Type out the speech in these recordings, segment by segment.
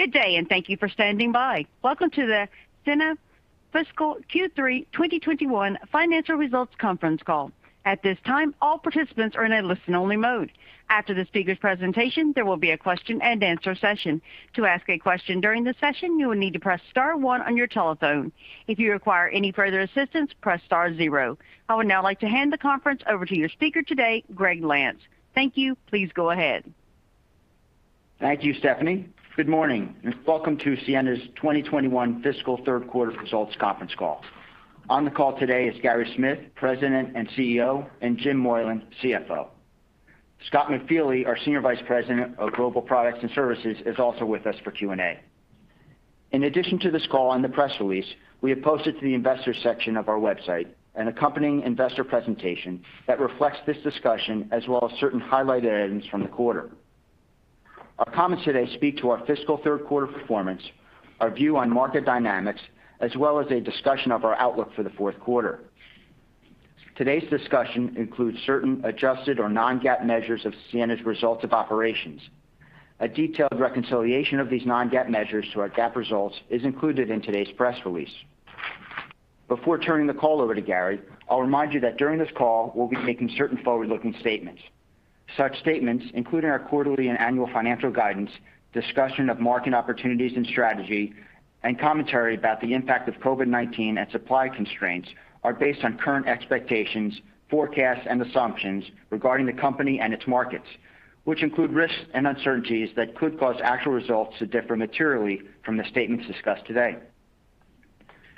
Good day, and thank you for standing by. Welcome to the Ciena Fiscal Q3 2021 Financial Results Conference Call. At this time, all participants are in a listen-only mode. After the speaker's presentation, there will be a question and answer session. To ask a question during the session, you will need to press star one on your telephone. If you require any further assistance, press star zero. I would now like to hand the conference over to your speaker today, Gregg Lampf. Thank you. Please go ahead. Thank you, Stephanie. Good morning, and welcome to Ciena's 2021 fiscal third quarter results conference call. On the call today is Gary Smith, President and CEO, and Jim Moylan, CFO. Scott McFeely, our Senior Vice President of Global Products and Services, is also with us for Q&A. In addition to this call and the press release, we have posted to the Investors section of our website an accompanying investor presentation that reflects this discussion as well as certain highlighted items from the quarter. Our comments today speak to our fiscal third quarter performance, our view on market dynamics, as well as a discussion of our outlook for the fourth quarter. Today's discussion includes certain adjusted or non-GAAP measures of Ciena's results of operations. A detailed reconciliation of these non-GAAP measures to our GAAP results is included in today's press release. Before turning the call over to Gary, I'll remind you that during this call, we'll be making certain forward-looking statements. Such statements, including our quarterly and annual financial guidance, discussion of market opportunities and strategy, and commentary about the impact of COVID-19 and supply constraints, are based on current expectations, forecasts, and assumptions regarding the company and its markets, which include risks and uncertainties that could cause actual results to differ materially from the statements discussed today.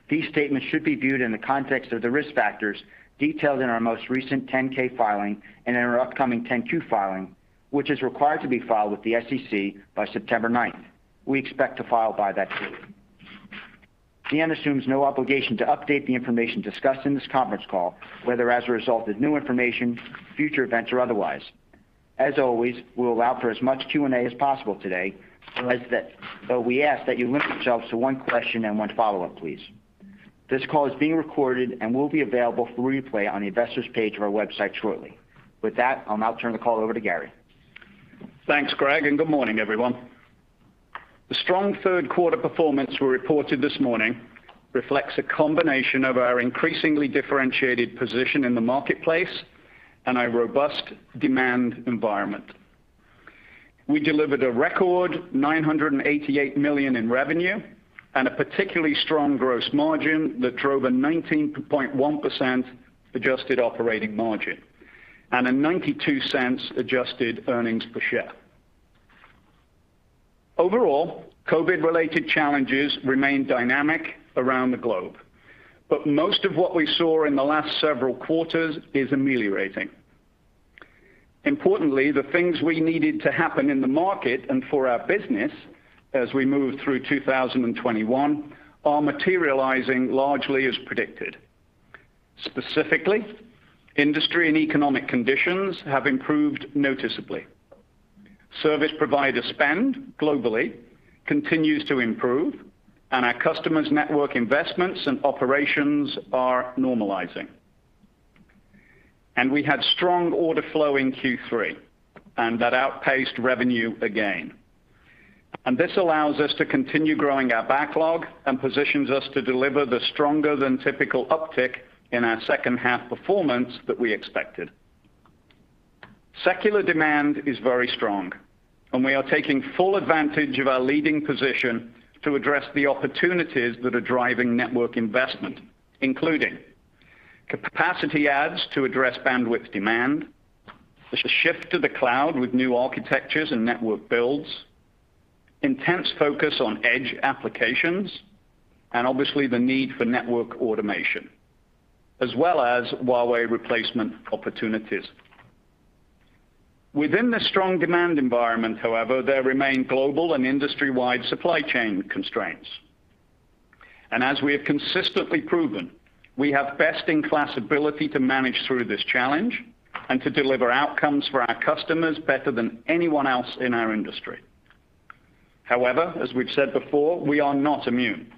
These statements should be viewed in the context of the risk factors detailed in our most recent 10-K filing and in our upcoming 10-Q filing, which is required to be filed with the SEC by September 9th. We expect to file by that date. Ciena assumes no obligation to update the information discussed in this conference call, whether as a result of new information, future events, or otherwise. As always, we'll allow for as much Q&A as possible today, but we ask that you limit yourselves to one question and one follow-up, please. This call is being recorded and will be available for replay on the Investors page of our website shortly. With that, I'll now turn the call over to Gary. Thanks, Gregg. Good morning, everyone. The strong third quarter performance we reported this morning reflects a combination of our increasingly differentiated position in the marketplace and a robust demand environment. We delivered a record $988 million in revenue and a particularly strong gross margin that drove a 19.1% adjusted operating margin and $0.92 adjusted earnings per share. Overall, COVID-related challenges remain dynamic around the globe. Most of what we saw in the last several quarters is ameliorating. Importantly, the things we needed to happen in the market and for our business as we move through 2021 are materializing largely as predicted. Specifically, industry and economic conditions have improved noticeably. Service provider spend globally continues to improve. Our customers' network investments and operations are normalizing. We had strong order flow in Q3, and that outpaced revenue again. This allows us to continue growing our backlog and positions us to deliver the stronger than typical uptick in our second half performance that we expected. Secular demand is very strong, and we are taking full advantage of our leading position to address the opportunities that are driving network investment, including capacity adds to address bandwidth demand, there's a shift to the cloud with new architectures and network builds, intense focus on edge applications, and obviously the need for network automation, as well as Huawei replacement opportunities. Within this strong demand environment, however, there remain global and industry-wide supply chain constraints. As we have consistently proven, we have best-in-class ability to manage through this challenge and to deliver outcomes for our customers better than anyone else in our industry. However, as we've said before, we are not immune,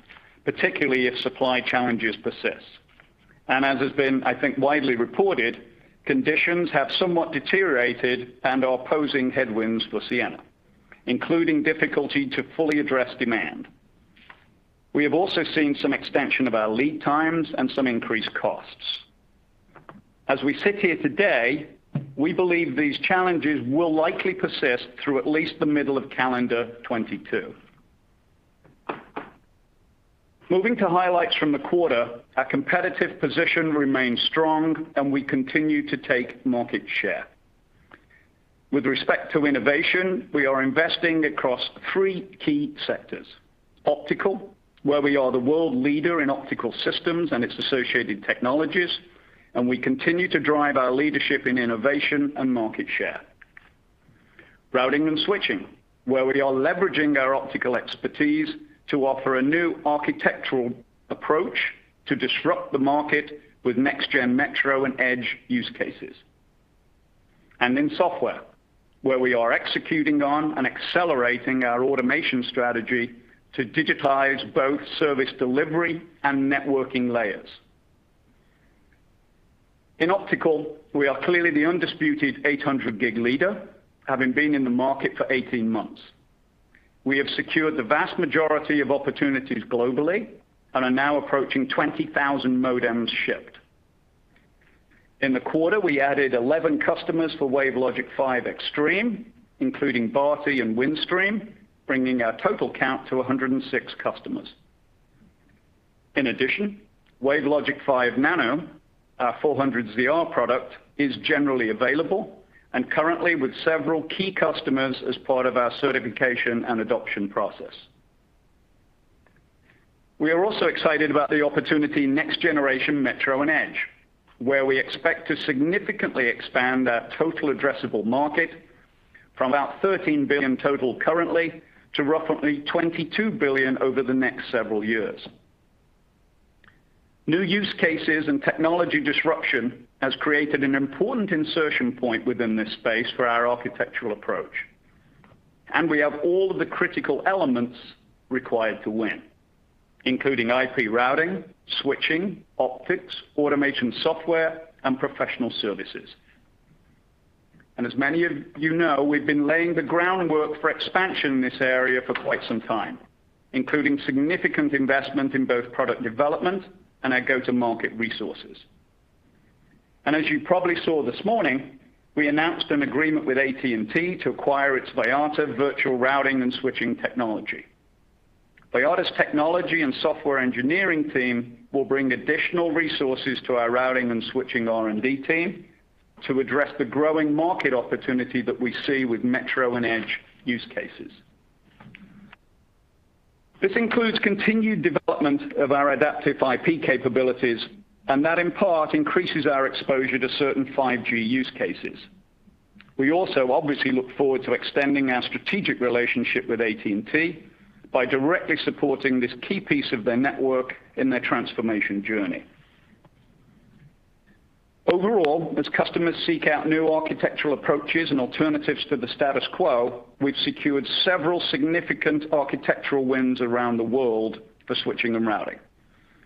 particularly if supply challenges persist. As has been, I think, widely reported, conditions have somewhat deteriorated and are posing headwinds for Ciena, including difficulty to fully address demand. We have also seen some extension of our lead times and some increased costs. As we sit here today, we believe these challenges will likely persist through at least the middle of calendar 2022. Moving to highlights from the quarter, our competitive position remains strong, and we continue to take market share. With respect to innovation, we are investing across three key sectors: optical, where we are the world leader in optical systems and its associated technologies, and we continue to drive our leadership in innovation and market share. Routing and switching, where we are leveraging our optical expertise to offer a new architectural approach to disrupt the market with next-gen metro and edge use cases. In software, where we are executing on and accelerating our automation strategy to digitize both service delivery and networking layers. In optical, we are clearly the undisputed 800G leader, having been in the market for 18 months. We have secured the vast majority of opportunities globally and are now approaching 20,000 modems shipped. In the quarter, we added 11 customers for WaveLogic 5 Extreme, including Bharti and Windstream, bringing our total count to 106 customers. In addition, WaveLogic 5 Nano, our 400ZR product, is generally available and currently with several key customers as part of our certification and adoption process. We are also excited about the opportunity next-generation metro and edge, where we expect to significantly expand our total addressable market from about $13 billion total currently to roughly $22 billion over the next several years. New use cases and technology disruption has created an important insertion point within this space for our architectural approach. We have all the critical elements required to win, including IP routing, switching, optics, automation software, and professional services. As many of you know, we've been laying the groundwork for expansion in this area for quite some time, including significant investment in both product development and our go-to-market resources. As you probably saw this morning, we announced an agreement with AT&T to acquire its Vyatta virtual routing and switching technology. Vyatta's technology and software engineering team will bring additional resources to our routing and switching R&D team to address the growing market opportunity that we see with metro and edge use cases. This includes continued development of our Adaptive IP capabilities, and that in part increases our exposure to certain 5G use cases. We also obviously look forward to extending our strategic relationship with AT&T by directly supporting this key piece of their network in their transformation journey. Overall, as customers seek out new architectural approaches and alternatives to the status quo, we've secured several significant architectural wins around the world for switching and routing.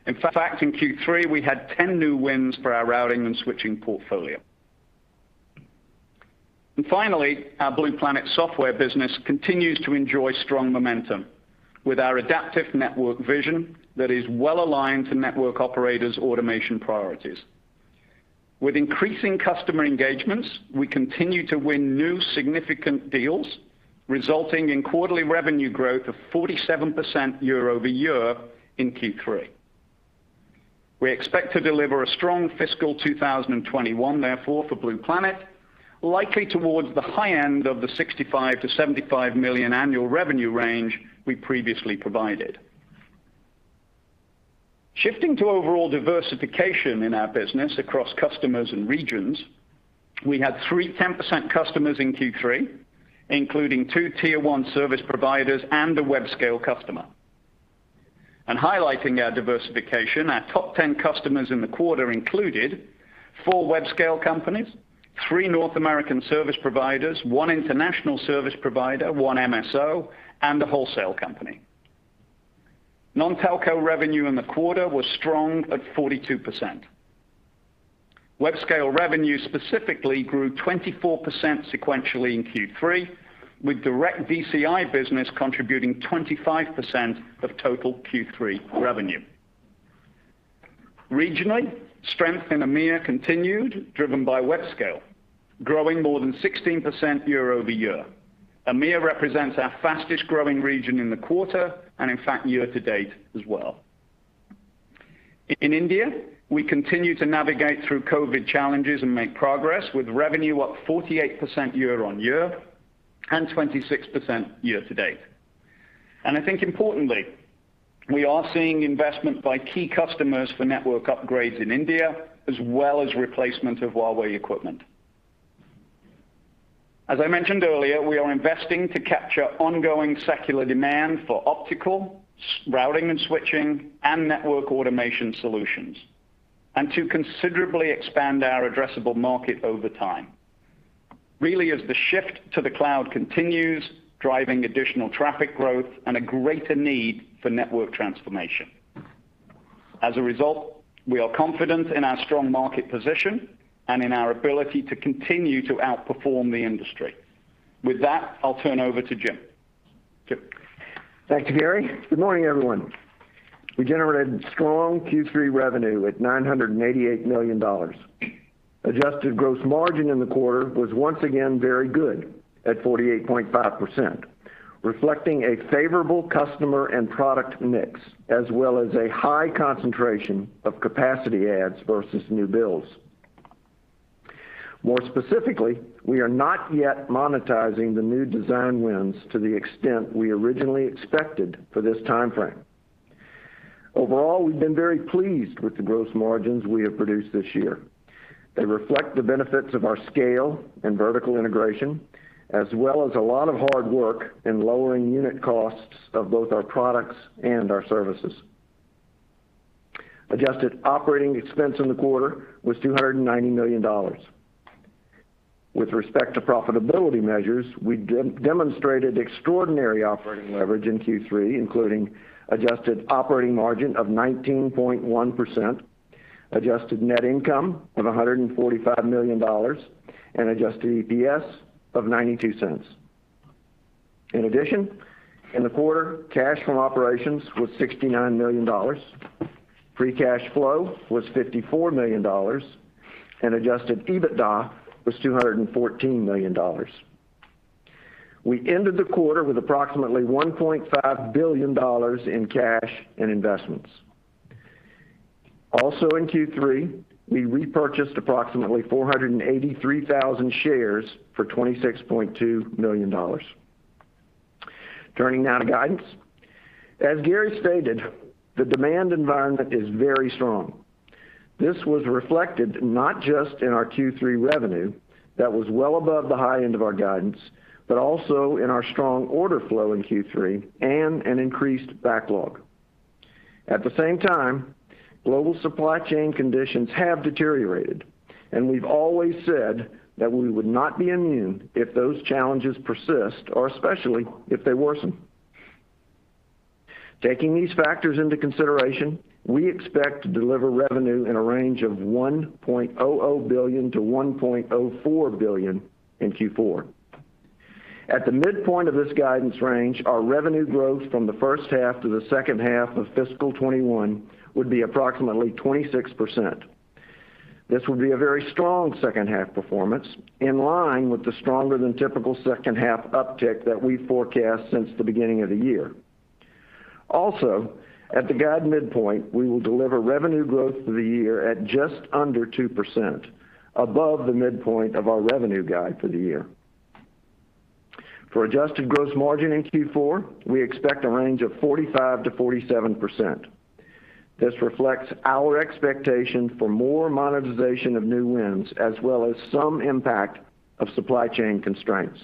In fact, in Q3, we had 10 new wins for our routing and switching portfolio. Finally, our Blue Planet software business continues to enjoy strong momentum with our adaptive network vision that is well-aligned to network operators' automation priorities. With increasing customer engagements, we continue to win new significant deals, resulting in quarterly revenue growth of 47% year-over-year in Q3. We expect to deliver a strong fiscal 2021, therefore, for Blue Planet, likely towards the high end of the $65 million-$75 million annual revenue range we previously provided. Shifting to overall diversification in our business across customers and regions, we had three 10% customers in Q3, including two tier-one service providers and a web-scale customer. Highlighting our diversification, our top 10 customers in the quarter included four web-scale companies, three North American service providers, one international service provider, one MSO, and a wholesale company. Non-telco revenue in the quarter was strong at 42%. Web-scale revenue specifically grew 24% sequentially in Q3, with direct DCI business contributing 25% of total Q3 revenue. Regionally, strength in EMEA continued, driven by web-scale, growing more than 16% year-over-year. EMEA represents our fastest-growing region in the quarter, and in fact, year to date as well. In India, we continue to navigate through COVID challenges and make progress, with revenue up 48% year-over-year and 26% year to date. I think importantly, we are seeing investment by key customers for network upgrades in India, as well as replacement of Huawei equipment. As I mentioned earlier, we are investing to capture ongoing secular demand for optical, routing and switching, and network automation solutions, and to considerably expand our addressable market over time. Really, as the shift to the cloud continues, driving additional traffic growth and a greater need for network transformation. As a result, we are confident in our strong market position and in our ability to continue to outperform the industry. With that, I'll turn over to Jim. Jim? Thank you, Gary. Good morning, everyone. We generated strong Q3 revenue at $988 million. Adjusted gross margin in the quarter was once again very good at 48.5%, reflecting a favorable customer and product mix, as well as a high concentration of capacity adds versus new builds. More specifically, we are not yet monetizing the new design wins to the extent we originally expected for this timeframe. Overall, we've been very pleased with the gross margins we have produced this year. They reflect the benefits of our scale and vertical integration, as well as a lot of hard work in lowering unit costs of both our products and our services. Adjusted operating expense in the quarter was $290 million. With respect to profitability measures, we demonstrated extraordinary operating leverage in Q3, including adjusted operating margin of 19.1%, adjusted net income of $145 million, and adjusted EPS of $0.92. In addition, in the quarter, cash from operations was $69 million, free cash flow was $54 million, and adjusted EBITDA was $214 million. We ended the quarter with approximately $1.5 billion in cash and investments. Also in Q3, we repurchased approximately 483,000 shares for $26.2 million. Turning now to guidance. As Gary stated, the demand environment is very strong. This was reflected not just in our Q3 revenue that was well above the high end of our guidance, but also in our strong order flow in Q3 and an increased backlog. At the same time, global supply chain conditions have deteriorated, and we've always said that we would not be immune if those challenges persist, or especially if they worsen. Taking these factors into consideration, we expect to deliver revenue in a range of $1.00 billion-$1.04 billion in Q4. At the midpoint of this guidance range, our revenue growth from the first half to the second half of fiscal 2021 would be approximately 26%. This would be a very strong second half performance, in line with the stronger than typical second half uptick that we forecast since the beginning of the year. Also, at the guide midpoint, we will deliver revenue growth for the year at just under 2%, above the midpoint of our revenue guide for the year. For adjusted gross margin in Q4, we expect a range of 45%-47%. This reflects our expectation for more monetization of new wins, as well as some impact of supply chain constraints.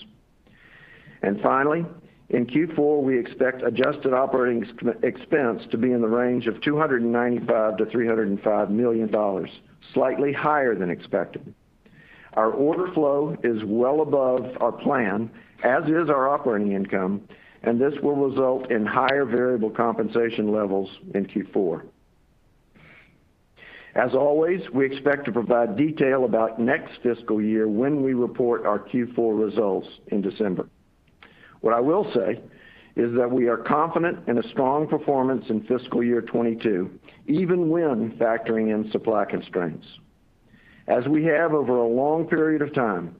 Finally, in Q4, we expect adjusted operating expense to be in the range of $295 million-$305 million, slightly higher than expected. Our order flow is well above our plan, as is our operating income, and this will result in higher variable compensation levels in Q4. As always, we expect to provide detail about next fiscal year when we report our Q4 results in December. What I will say is that we are confident in a strong performance in fiscal year 2022, even when factoring in supply constraints. As we have over a long period of time,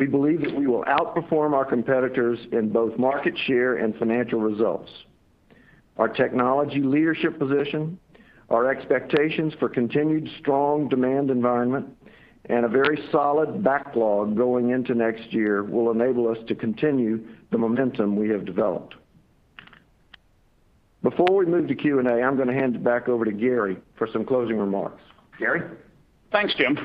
we believe that we will outperform our competitors in both market share and financial results. Our technology leadership position, our expectations for continued strong demand environment, and a very solid backlog going into next year will enable us to continue the momentum we have developed. Before we move to Q&A, I'm going to hand it back over to Gary for some closing remarks. Gary? Thanks, Jim.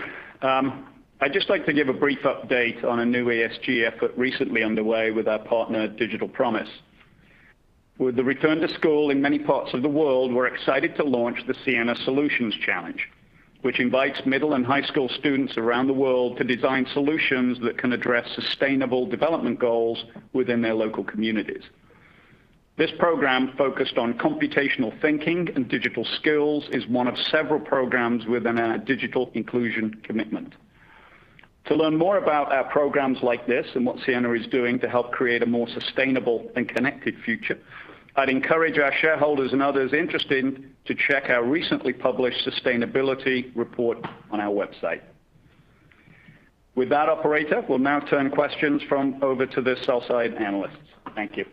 I'd just like to give a brief update on a new ESG effort recently underway with our partner, Digital Promise. With the return to school in many parts of the world, we're excited to launch the Ciena Solutions Challenge, which invites middle and high school students around the world to design solutions that can address sustainable development goals within their local communities. This program focused on computational thinking and digital skills is one of several programs within our digital inclusion commitment. To learn more about our programs like this and what Ciena is doing to help create a more sustainable and connected future, I'd encourage our shareholders and others interested to check our recently published sustainability report on our website. With that, operator, we'll now turn questions from over to the sell-side analysts. Thank you.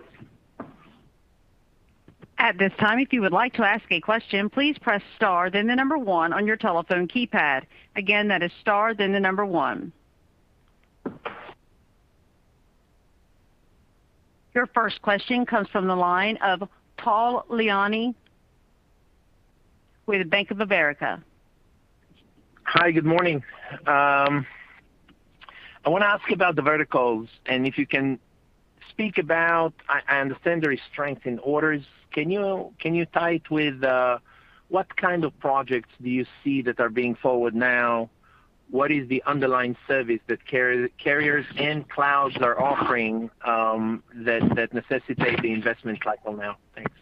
At this time, if you would like to ask a question, please press star then the number 1 on your telephone keypad. Again, that is star then the number 1. Your first question comes from the line of Tal Liani with Bank of America. Hi, good morning. I want to ask you about the verticals, and if you can speak about, I understand there is strength in orders. Can you tie it with what kind of projects do you see that are being forward now? What is the underlying service that carriers and clouds are offering that necessitate the investment cycle now? Thanks.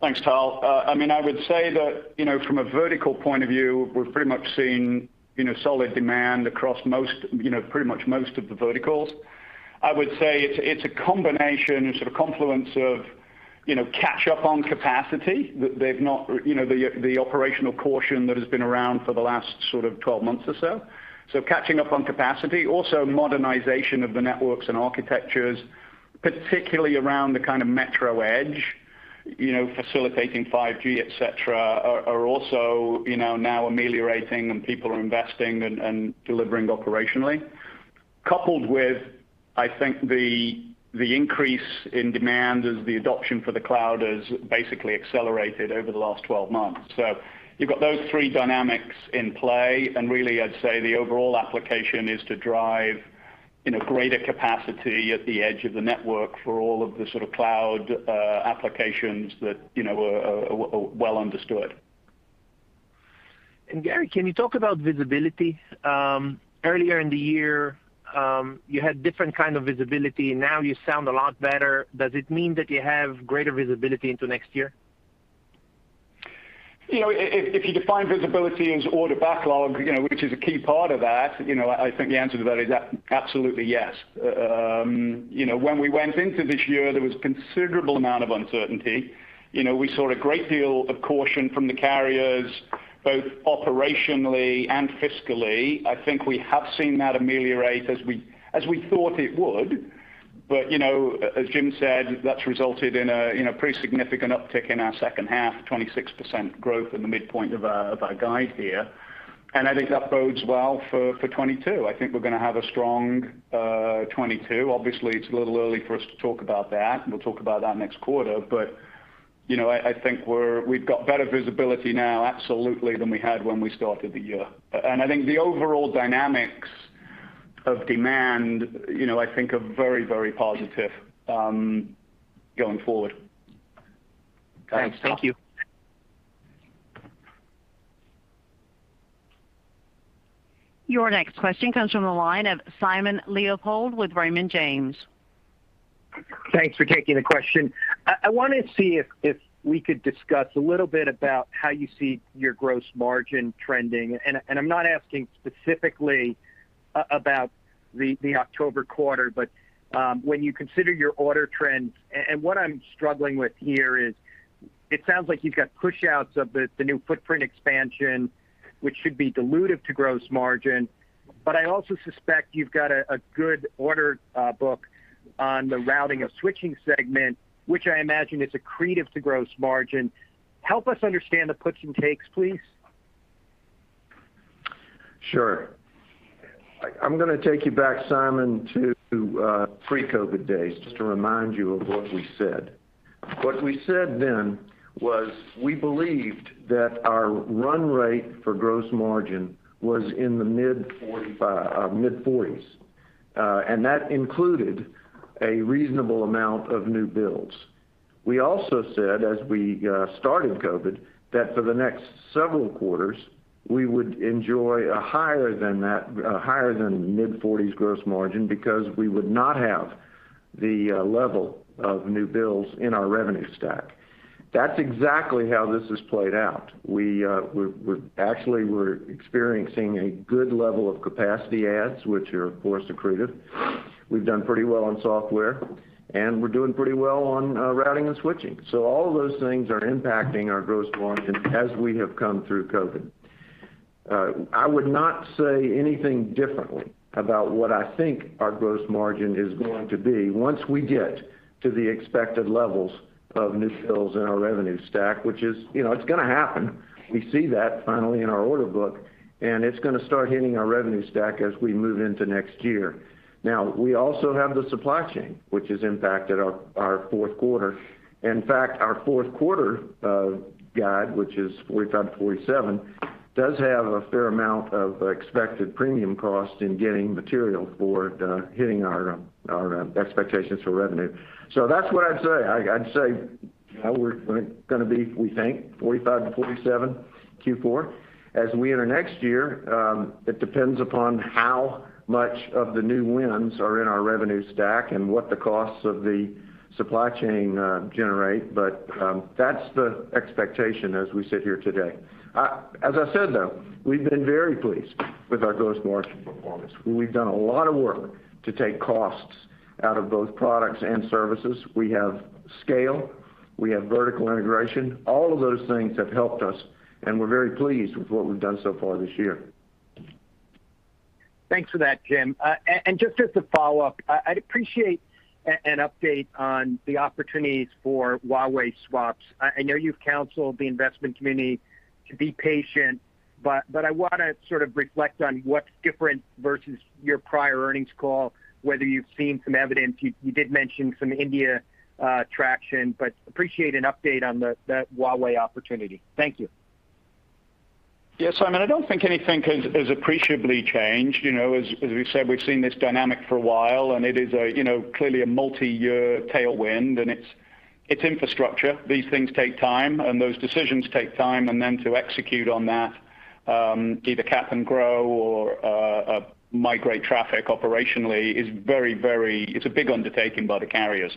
Thanks, Tal. I would say that from a vertical point of view, we're pretty much seeing solid demand across pretty much most of the verticals. I would say it's a combination, sort of confluence of catch up on capacity. The operational caution that has been around for the last sort of 12 months or so. Catching up on capacity. Also, modernization of the networks and architectures, particularly around the kind of metro edge, facilitating 5G, et cetera, are also now ameliorating and people are investing and delivering operationally. Coupled with, I think the increase in demand as the adoption for the cloud has basically accelerated over the last 12 months. You've got those three dynamics in play, and really I'd say the overall application is to drive greater capacity at the edge of the network for all of the sort of cloud applications that are well understood. Gary, can you talk about visibility? Earlier in the year, you had different kind of visibility. Now you sound a lot better. Does it mean that you have greater visibility into next year? If you define visibility as order backlog, which is a key part of that, I think the answer to that is absolutely yes. When we went into this year, there was a considerable amount of uncertainty. We saw a great deal of caution from the carriers, both operationally and fiscally. I think we have seen that ameliorate as we thought it would. As Jim said, that's resulted in a pretty significant uptick in our second half, 26% growth in the midpoint of our guide here. I think that bodes well for 2022. I think we're going to have a strong 2022. Obviously, it's a little early for us to talk about that, and we'll talk about that next quarter. I think we've got better visibility now, absolutely, than we had when we started the year. I think the overall dynamics of demand, I think are very positive going forward. Guys. Thanks. Thank you. Your next question comes from the line of Simon Leopold with Raymond James. Thanks for taking the question. I want to see if we could discuss a little bit about how you see your gross margin trending, I'm not asking specifically about the October quarter, but when you consider your order trends. What I'm struggling with here is, it sounds like you've got push outs of the new footprint expansion, which should be dilutive to gross margin. I also suspect you've got a good order book on the routing and switching segment, which I imagine is accretive to gross margin. Help us understand the puts and takes, please. Sure. I'm going to take you back, Simon, to pre-COVID days, just to remind you of what we said. What we said then was, we believed that our run rate for gross margin was in the mid-40s. That included a reasonable amount of new builds. We also said, as we started COVID, that for the next several quarters, we would enjoy a higher than mid-40s gross margin because we would not have the level of new builds in our revenue stack. That's exactly how this has played out. We actually were experiencing a good level of capacity adds, which are of course, accretive. We've done pretty well on software, and we're doing pretty well on routing and switching. All of those things are impacting our gross margin as we have come through COVID. I would not say anything differently about what I think our gross margin is going to be once we get to the expected levels of new builds in our revenue stack, which it's going to happen. We see that finally in our order book, and it's going to start hitting our revenue stack as we move into next year. We also have the supply chain, which has impacted our fourth quarter. In fact, our fourth quarter guide, which is 45%-47%, does have a fair amount of expected premium cost in getting material for hitting our expectations for revenue. That's what I'd say. I'd say we're going to be, we think, 45%-47% Q4. As we enter next year, it depends upon how much of the new wins are in our revenue stack and what the costs of the supply chain generate. That's the expectation as we sit here today. As I said, though, we've been very pleased with our gross margin performance. We've done a lot of work to take costs out of both products and services. We have scale. We have vertical integration. All of those things have helped us, and we're very pleased with what we've done so far this year. Thanks for that, Jim. Just as a follow-up, I'd appreciate an update on the opportunities for Huawei swaps. I know you've counseled the investment community to be patient. I want to sort of reflect on what's different versus your prior earnings call, whether you've seen some evidence. You did mention some India traction. Appreciate an update on the Huawei opportunity. Thank you. Yeah, Simon, I don't think anything has appreciably changed. As we've said, we've seen this dynamic for a while, and it is clearly a multi-year tailwind, and it's infrastructure. These things take time, and those decisions take time, and then to execute on that, either cap and grow or migrate traffic operationally, it's a big undertaking by the carriers.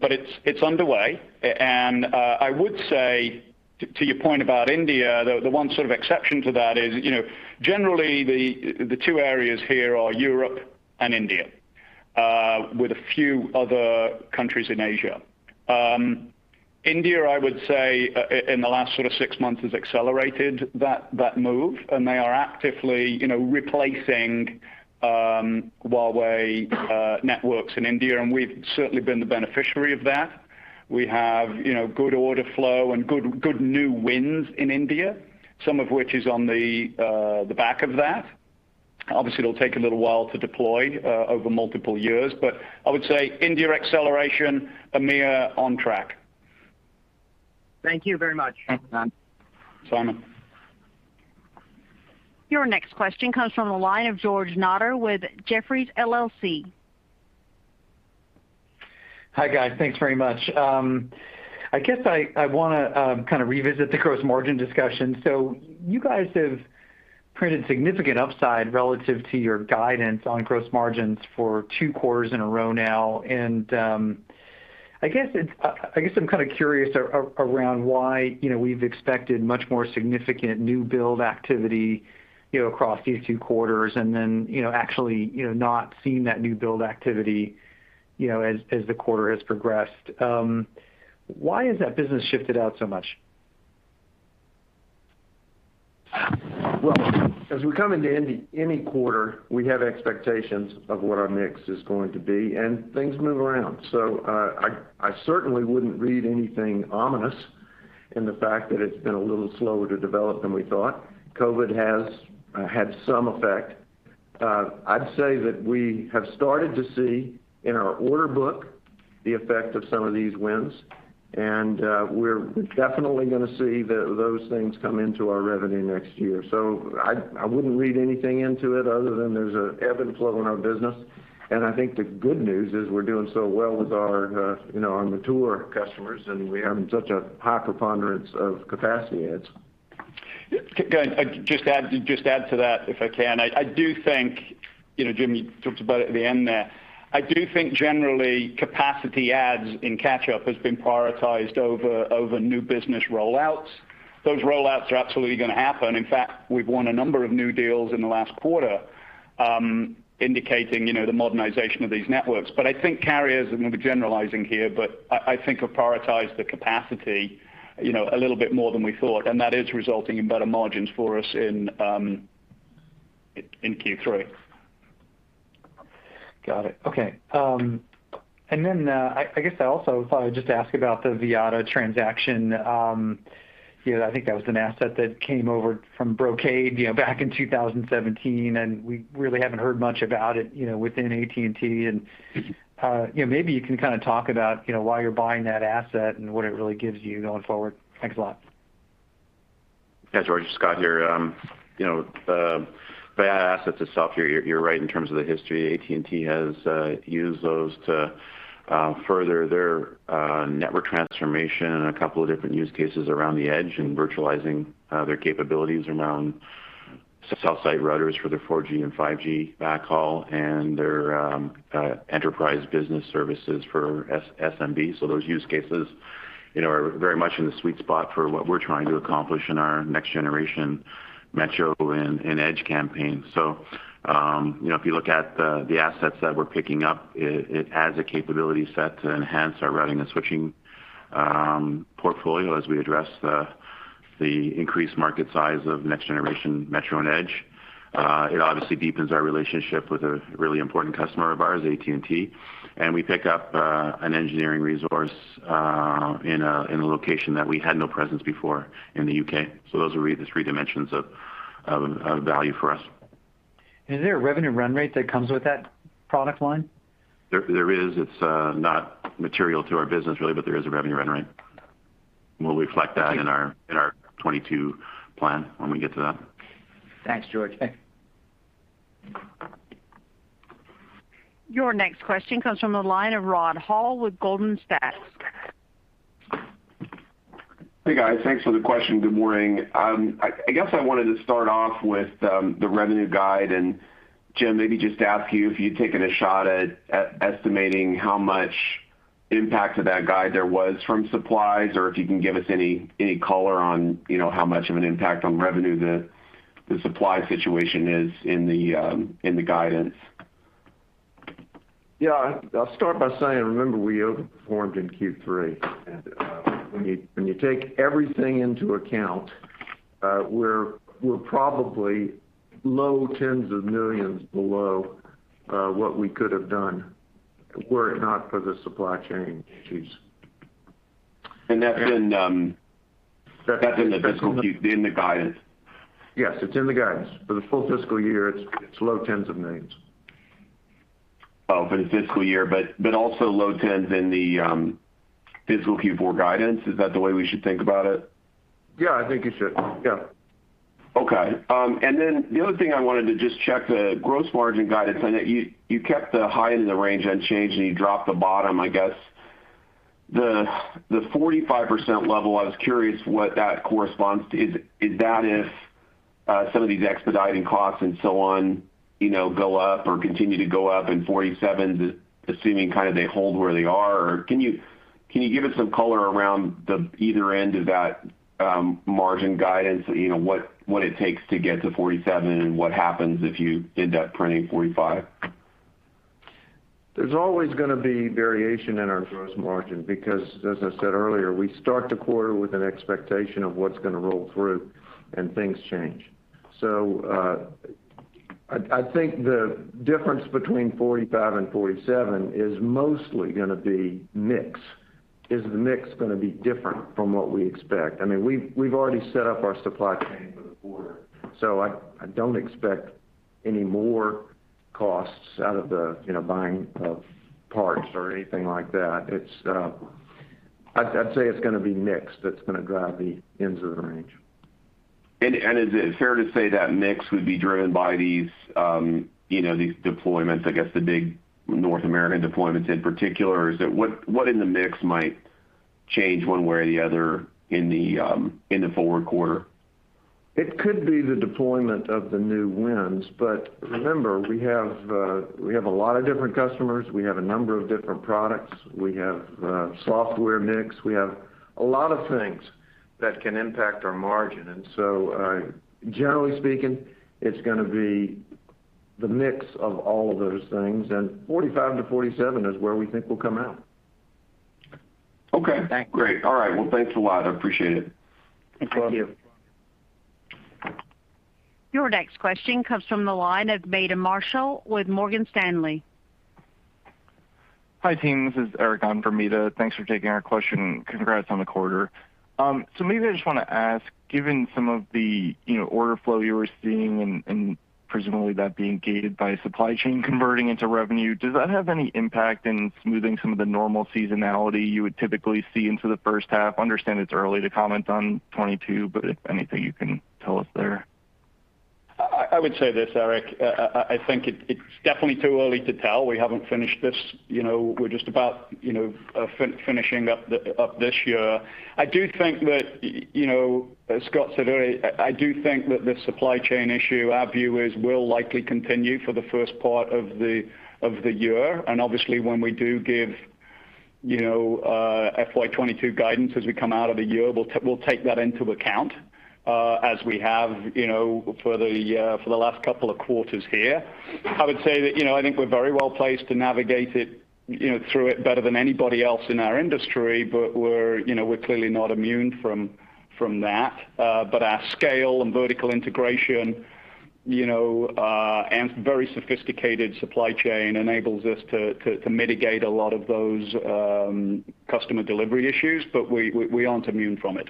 It's underway. I would say to your point about India, the one sort of exception to that is, generally the two areas here are Europe and India, with a few other countries in Asia. India, I would say, in the last six months has accelerated that move, and they are actively replacing Huawei networks in India, and we've certainly been the beneficiary of that. We have good order flow and good new wins in India, some of which is on the back of that. Obviously, it'll take a little while to deploy over multiple years. I would say India acceleration, EMEA, on track. Thank you very much. Thanks, Simon. Your next question comes from the line of George Notter with Jefferies LLC. Hi, guys. Thanks very much. I guess I want to kind of revisit the gross margin discussion. You guys have printed significant upside relative to your guidance on gross margins for two quarters in a row now, and I guess I'm kind of curious around why we've expected much more significant new build activity, across these two quarters and then actually not seeing that new build activity as the quarter has progressed. Why has that business shifted out so much? Well, as we come into any quarter, we have expectations of what our mix is going to be, and things move around. I certainly wouldn't read anything ominous in the fact that it's been a little slower to develop than we thought. COVID has had some effect. I'd say that we have started to see in our order book the effect of some of these wins, and we're definitely going to see those things come into our revenue next year. I wouldn't read anything into it other than there's an ebb and flow in our business, and I think the good news is we're doing so well with our mature customers, and we have such a high preponderance of capacity adds. George Notter, just add to that if I can. Jim, you talked about it at the end there. I do think generally capacity adds in catch-up has been prioritized over new business roll-outs. Those roll-outs are absolutely going to happen. In fact, we've won a number of new deals in the last quarter indicating the modernization of these networks. I think carriers, I'm going to be generalizing here, but I think have prioritized the capacity a little bit more than we thought, and that is resulting in better margins for us in Q3. Got it. Okay. I guess I also thought I'd just ask about the Vyatta transaction. I think that was an asset that came over from Brocade back in 2017, we really haven't heard much about it within AT&T. Maybe you can talk about why you're buying that asset and what it really gives you going forward. Thanks a lot. Yeah, George, Scott here. The Vyatta asset itself, you're right in terms of the history. AT&T has used those to further their network transformation and a couple of different use cases around the edge and virtualizing their capabilities around cell site routers for their 4G and 5G backhaul and their enterprise business services for SMB. Those use cases are very much in the sweet spot for what we're trying to accomplish in our next generation metro and edge campaign. If you look at the assets that we're picking up, it adds a capability set to enhance our routing and switching portfolio as we address the increased market size of next generation metro and edge. It obviously deepens our relationship with a really important customer of ours, AT&T. We pick up an engineering resource in a location that we had no presence before in the U.K. Those are the three dimensions of value for us. Is there a revenue run rate that comes with that product line? There is. It's not material to our business really, but there is a revenue run rate, and we'll reflect that in our 2022 plan when we get to that. Thanks, George. Your next question comes from the line of Rod Hall with Goldman Sachs. Hey, guys. Thanks for the question. Good morning. I guess I wanted to start off with the revenue guide. Jim, maybe just ask you if you'd taken a shot at estimating how much impact of that guide there was from supplies, or if you can give us any color on how much of an impact on revenue the supply situation is in the guidance. Yeah. I'll start by saying, remember, we over-performed in Q3. When you take everything into account, we're probably low tens of millions below what we could have done were it not for the supply chain issues. And that's in the fiscal-- That's in the fiscal piece. In the guidance. Yes. It's in the guidance. For the full fiscal year, it's low tens of millions. For the fiscal year, also low tens in the fiscal Q4 guidance, is that the way we should think about it? Yeah, I think you should. Yeah. Okay. The other thing I wanted to just check the gross margin guidance. I know you kept the high end of the range unchanged, and you dropped the bottom, I guess. The 45% level, I was curious what that corresponds to. Is that if some of these expediting costs and so on go up or continue to go up and 47%, assuming they hold where they are? Can you give us some color around the either end of that margin guidance? What it takes to get to 47%, and what happens if you end up printing 45%? There's always going to be variation in our gross margin because, as I said earlier, we start the quarter with an expectation of what's going to roll through, and things change. I think the difference between 45% and 47% is mostly going to be mix. Is the mix going to be different from what we expect? We've already set up our supply chain for the quarter. I don't expect any more costs out of the buying of parts or anything like that. I'd say it's going to be mix that's going to drive the ends of the range. Is it fair to say that mix would be driven by these deployments, I guess the big North American deployments in particular? What in the mix might change one way or the other in the forward quarter? It could be the deployment of the new wins. Remember, we have a lot of different customers. We have a number of different products. We have a software mix. We have a lot of things that can impact our margin. Generally speaking, it's going to be the mix of all of those things. 45%-47% is where we think we'll come out. Okay. Thank you. Great. All right. Well, thanks a lot. I appreciate it. Thank you. Thank you. Your next question comes from the line of Meta Marshall with Morgan Stanley. Hi, team. This is Eric, on for Meta Marshall. Thanks for taking our question, and congrats on the quarter. Maybe I just want to ask, given some of the order flow you were seeing, and presumably that being gated by supply chain converting into revenue, does that have any impact in smoothing some of the normal seasonality you would typically see into the first half? I understand it's early to comment on 2022, but if anything you can tell us there. I would say this, Eric. I think it's definitely too early to tell. We haven't finished this. We're just about finishing up this year. As Scott said earlier, I do think that the supply chain issue, our view is will likely continue for the first part of the year. Obviously when we do give FY 2022 guidance as we come out of the year, we'll take that into account, as we have for the last couple of quarters here. I would say that I think we're very well-placed to navigate through it better than anybody else in our industry, but we're clearly not immune from that. Our scale and vertical integration, and very sophisticated supply chain enables us to mitigate a lot of those customer delivery issues, but we aren't immune from it.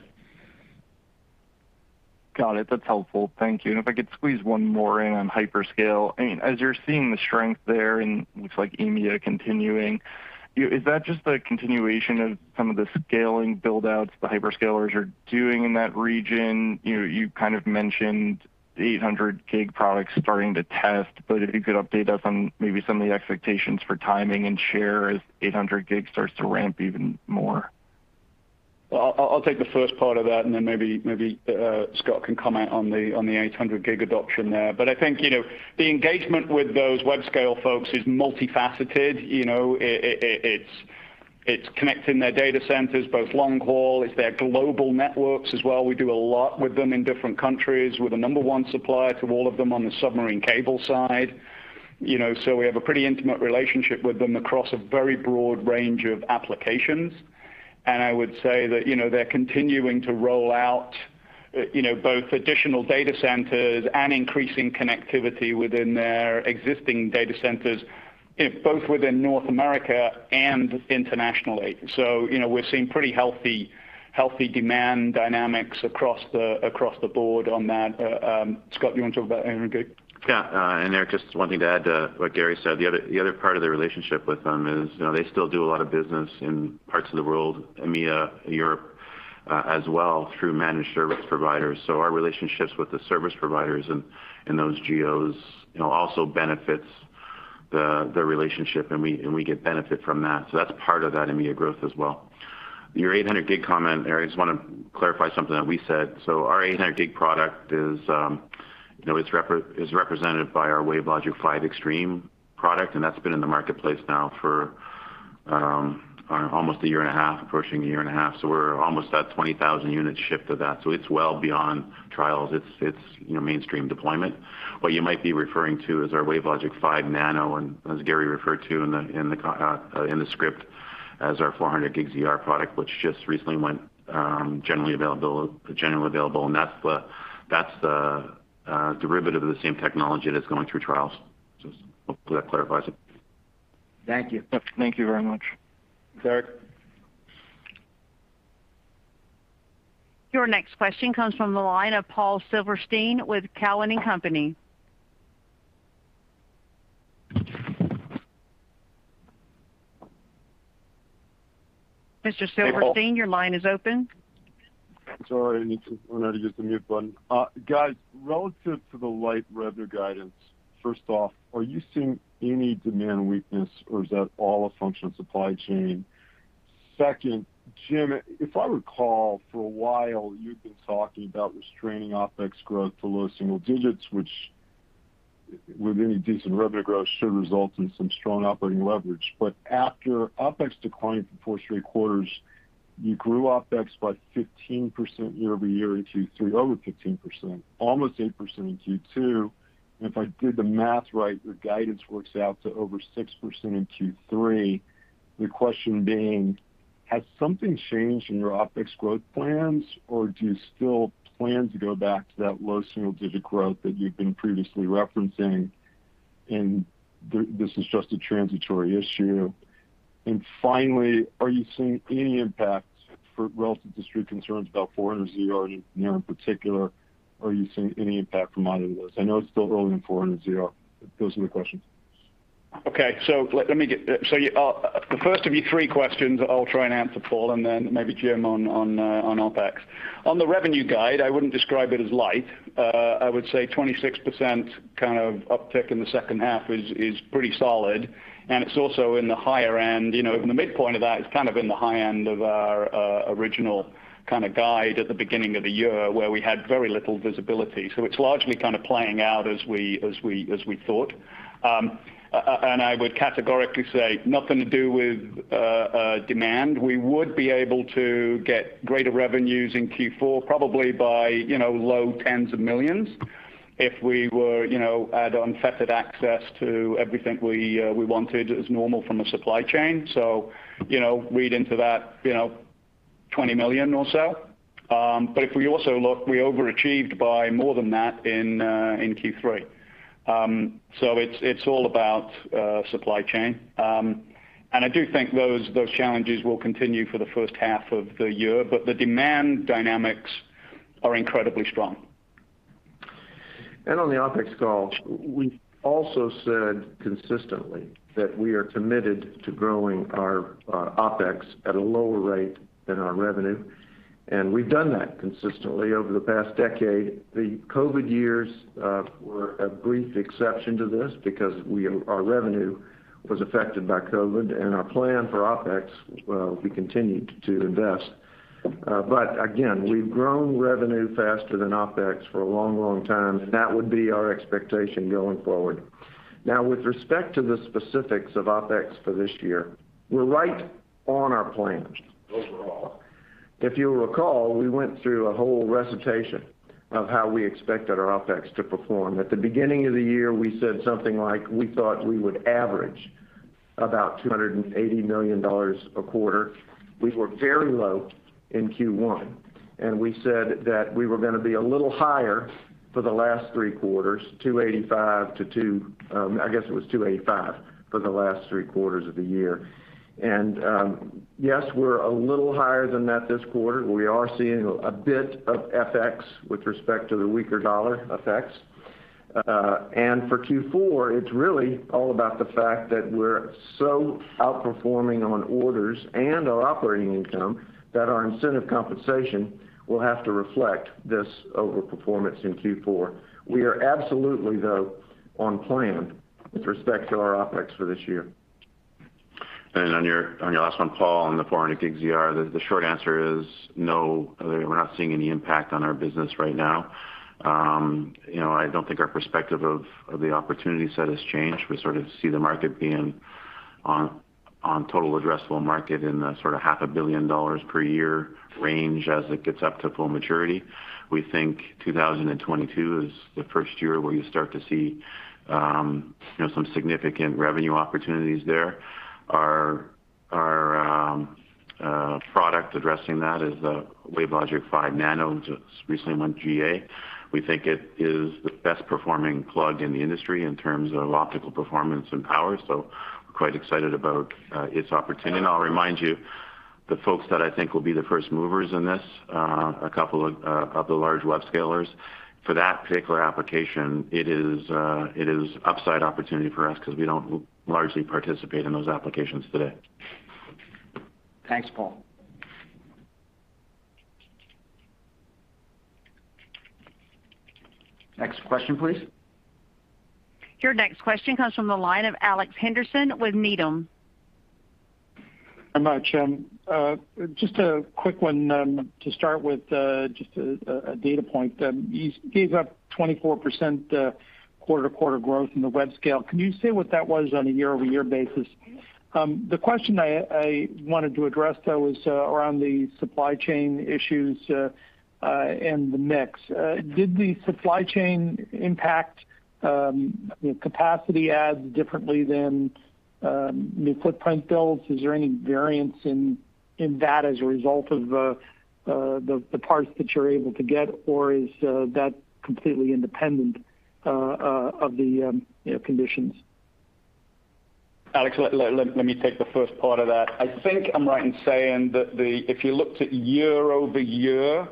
Got it. That's helpful. Thank you. If I could squeeze one more in on hyperscale. As you're seeing the strength there, and looks like EMEA continuing, is that just the continuation of some of the scaling build-outs the hyperscalers are doing in that region? You mentioned the 800G products starting to test, but if you could update us on maybe some of the expectations for timing and share as 800G starts to ramp even more. I'll take the first part of that and then maybe Scott can comment on the 800G adoption there. I think the engagement with those web-scale folks is multifaceted. It's connecting their data centers, both long haul. It's their global networks as well. We do a lot with them in different countries. We're the number one supplier to all of them on the submarine cable side. We have a pretty intimate relationship with them across a very broad range of applications. I would say that they're continuing to roll out both additional data centers and increasing connectivity within their existing data centers, both within North America and internationally. We're seeing pretty healthy demand dynamics across the board on that. Scott, you want to talk about 800G? Yeah. Eric, just one thing to add to what Gary said. The other part of the relationship with them is they still do a lot of business in parts of the world, EMEA, Europe, as well through managed service providers. Our relationships with the service providers in those geos also benefits the relationship, and we get benefit from that. That's part of that EMEA growth as well. Your 800G comment, Eric, I just want to clarify something that we said. Our 800G product is represented by our WaveLogic 5 Extreme product, and that's been in the marketplace now for almost a year and a half, approaching a year and a half. We're almost at 20,000 units shipped of that. It's well beyond trials. It's mainstream deployment. What you might be referring to is our WaveLogic 5 Nano, and as Gary referred to in the script as our 400ZR product, which just recently went generally available, and that's the derivative of the same technology that's going through trials. Hopefully that clarifies it. Thank you. Thank you very much. Eric. Your next question comes from the line of Paul Silverstein with Cowen and Company. Mr. Silverstein. Hey, Paul. Your line is open. Sorry, I need to learn how to use the mute button. Guys, relative to the light revenue guidance, first off, are you seeing any demand weakness or is that all a function of supply chain? Jim, if I recall, for a while, you've been talking about restraining OpEx growth to low single digits, which with any decent revenue growth should result in some strong operating leverage. After OpEx declined for four straight quarters, you grew OpEx by 15% year-over-year in Q3, over 15%, almost 8% in Q2. If I did the math right, your guidance works out to over 6% in Q3. The question being, has something changed in your OpEx growth plans, or do you still plan to go back to that low single-digit growth that you've been previously referencing, and this is just a transitory issue? Finally, are you seeing any impact for relative industry concerns about 400ZR in particular? Are you seeing any impact from either of those? I know it's still early in 400ZR. Those are my questions. Okay. The first of your three questions, I'll try and answer, Paul, and then maybe Jim on OpEx. On the revenue guide, I wouldn't describe it as light. I would say 26% uptick in the second half is pretty solid, it's also in the higher end. The midpoint of that is in the high end of our original guide at the beginning of the year where we had very little visibility. It's largely playing out as we thought. I would categorically say nothing to do with demand. We would be able to get greater revenues in Q4, probably by low tens of millions if we had unfettered access to everything we wanted as normal from a supply chain. Read into that $20 million or so. If we also look, we overachieved by more than that in Q3. It's all about supply chain. I do think those challenges will continue for the first half of the year. The demand dynamics are incredibly strong. On the OpEx call, we also said consistently that we are committed to growing our OpEx at a lower rate than our revenue, and we've done that consistently over the past decade. The COVID years were a brief exception to this because our revenue was affected by COVID and our plan for OpEx, well, we continued to invest. Again, we've grown revenue faster than OpEx for a long time, and that would be our expectation going forward. With respect to the specifics of OpEx for this year, we're right on our plans overall. If you'll recall, we went through a whole recitation of how we expected our OpEx to perform. At the beginning of the year, we said something like we thought we would average about $280 million a quarter. We were very low in Q1, and we said that we were going to be a little higher for the last three quarters, I guess it was $285 million for the last three quarters of the year. Yes, we're a little higher than that this quarter. We are seeing a bit of FX with respect to the weaker dollar effects. For Q4, it's really all about the fact that we're so outperforming on orders and our operating income that our incentive compensation will have to reflect this overperformance in Q4. We are absolutely, though, on plan with respect to our OpEx for this year. On your last one, Paul, on the 400ZR, the short answer is no, we're not seeing any impact on our business right now. I don't think our perspective of the opportunity set has changed. We sort of see the market being on total addressable market in the sort of half a billion dollars per year range as it gets up to full maturity. We think 2022 is the first year where you start to see some significant revenue opportunities there. Our product addressing that is the WaveLogic 5 Nano, just recently went GA. We think it is the best performing plug in the industry in terms of optical performance and power. We're quite excited about its opportunity. I'll remind you, the folks that I think will be the first movers in this are a couple of the large web-scalers. For that particular application, it is upside opportunity for us because we don't largely participate in those applications today. Thanks, Paul. Next question, please. Your next question comes from the line of Alex Henderson with Needham. Thank you very much. Just a quick one to start with, just a data point. You gave up 24% quarter-over-quarter growth in the web-scale. Can you say what that was on a year-over-year basis? The question I wanted to address, though, is around the supply chain issues and the mix. Did the supply chain impact capacity adds differently than new footprint builds? Is there any variance in that as a result of the parts that you're able to get, or is that completely independent of the conditions? Alex, let me take the first part of that. I think I'm right in saying that if you looked at year-over-year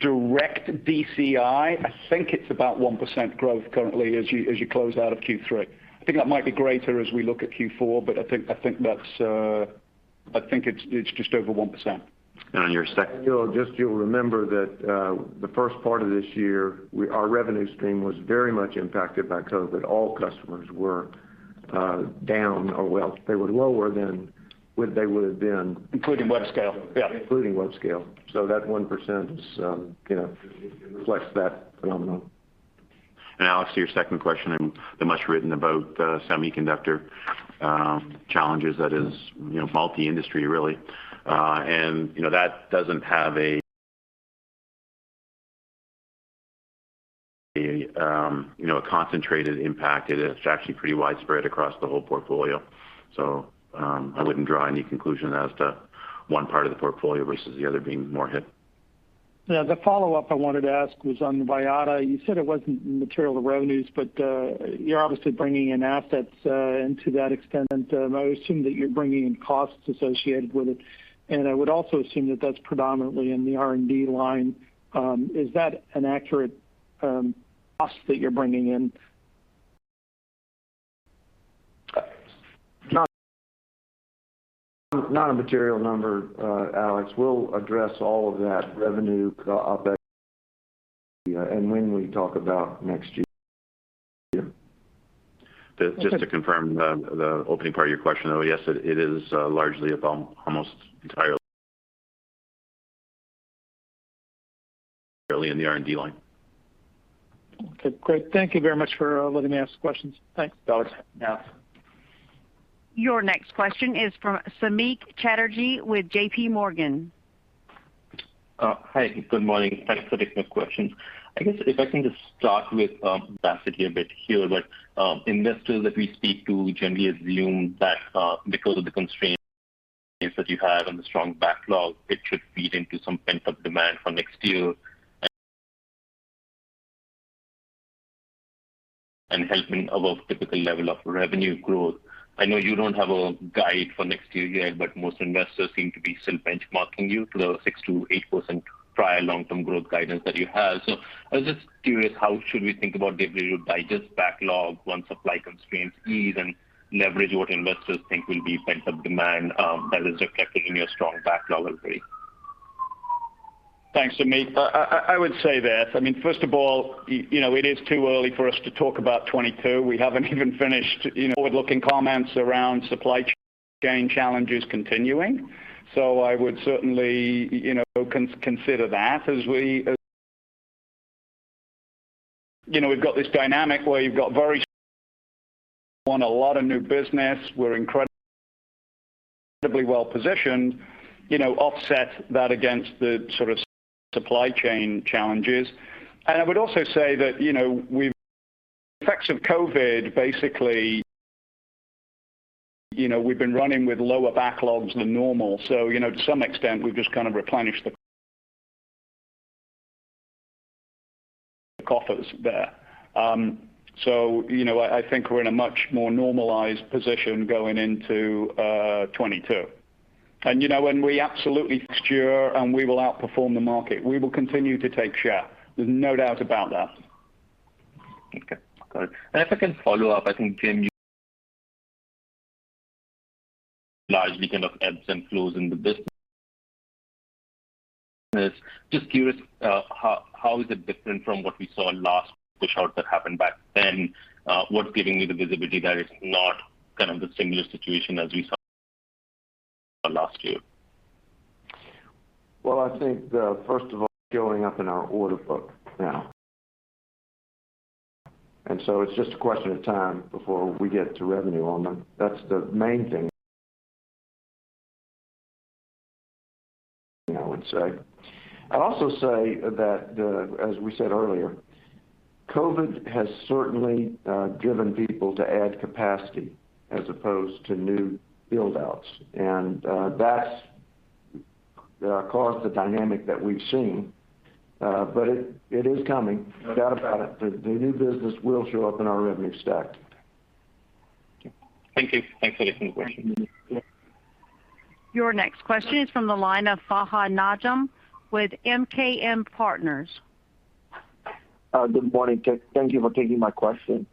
direct DCI, I think it's about 1% growth currently as you close out of Q3. I think that might be greater as we look at Q4, but I think it's just over 1%. On your second- You'll remember that the first part of this year, our revenue stream was very much impacted by COVID. All customers were down or, well, they were lower than what they would have been. Including web-scale. Yeah. Including web-scale. That 1% reflects that phenomenon. Alex, to your second question, the much written about semiconductor challenges that is multi-industry, really. That doesn't have a concentrated impact. It's actually pretty widespread across the whole portfolio. I wouldn't draw any conclusion as to one part of the portfolio versus the other being more hit. Yeah. The follow-up I wanted to ask was on Vyatta. You said it wasn't material to revenues, but you're obviously bringing in assets to that extent, I assume that you're bringing in costs associated with it. I would also assume that that's predominantly in the R&D line. Is that an accurate cost that you're bringing in? Not a material number, Alex. We'll address all of that revenue, OpEx, and when we talk about next year. Just to confirm the opening part of your question, though, yes, it is largely, almost entirely in the R&D line. Okay, great. Thank you very much for letting me ask questions. Thanks. Got it. Yeah. Your next question is from Samik Chatterjee with JPMorgan. Hi, good morning. Thanks for taking my questions. I guess if I can just start with capacity a bit here, but investors that we speak to generally assume that because of the constraints that you have and the strong backlog, it should feed into some pent-up demand for next year and helping above typical level of revenue growth. I know you don't have a guide for next year yet, but most investors seem to be still benchmarking you to the 6% to 8% prior long-term growth guidance that you had. So I was just curious, how should we think about the way you digest backlog once supply constraints ease and leverage what investors think will be pent-up demand that is reflected in your strong backlog rate? Thanks, Samik. I would say this. First of all, it is too early for us to talk about 2022. We haven't even finished forward-looking comments around supply chain challenges continuing. I would certainly consider that. We've got this dynamic where you've won a lot of new business. We're incredibly well-positioned, offset that against the sort of supply chain challenges. I would also say that effects of COVID, basically, we've been running with lower backlogs than normal. To some extent, we've just kind of replenished the coffers there. I think we're in a much more normalized position going into 2022. Next year and we will outperform the market. We will continue to take share. There's no doubt about that. Okay, got it. If I can follow up, I think, Jim, Largely kind of ebbs and flows in the business. Just curious, how is it different from what we saw last push out that happened back then? What's giving you the visibility that it's not kind of the similar situation as we saw last year? I think, first of all, showing up in our order book now. It's just a question of time before we get to revenue on them. That's the main thing, I would say. I'd also say that as we said earlier, COVID has certainly driven people to add capacity as opposed to new build-outs. That's caused the dynamic that we've seen. It is coming. No doubt about it. The new business will show up in our revenue stack. Okay. Thank you. Thanks for taking the question. Your next question is from the line of Fahad Najam with MKM Partners. Good morning. Thank you for taking my question.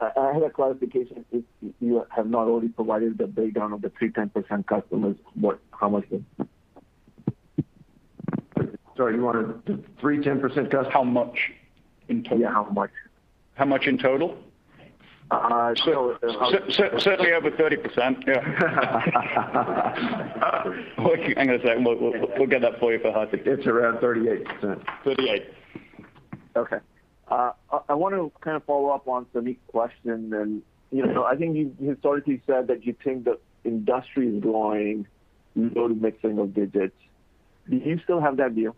I had a clarification if you have not already provided the breakdown of the three 10% customers, how much is it? Sorry, you wanted three 10% customers? How much in total? Yeah, how much? How much in total? So how? Certainly over 30%, yeah. Hang on a second. We'll get that for you, Fahad. It's around 38%. 38%. Okay. I want to follow up on Samik's question. I think you've historically said that you think the industry is growing low to mid-single digits. Do you still have that view?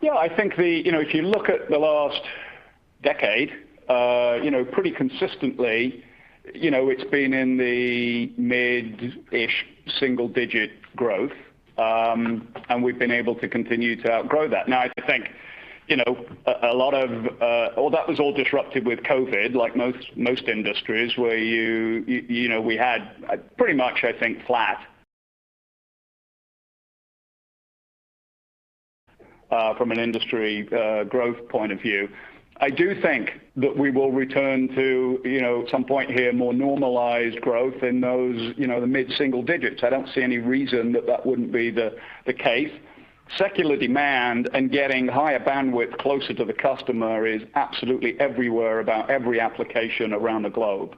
Yeah, if you look at the last decade, pretty consistently it's been in the mid-ish single-digit growth, and we've been able to continue to outgrow that. Now, I think that was all disrupted with COVID, like most industries, where we had pretty much, I think, flat from an industry growth point of view. I do think that we will return to some point here more normalized growth in those mid-single digits. I don't see any reason that that wouldn't be the case. Secular demand and getting higher bandwidth closer to the customer is absolutely everywhere about every application around the globe.